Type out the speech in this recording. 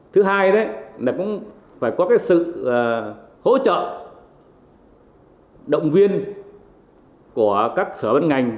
thứ hai là cũng phải có cái sự hỗ trợ động viên của các sở bán ngành